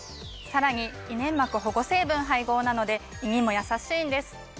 さらに胃粘膜保護成分配合なので胃にもやさしいんです。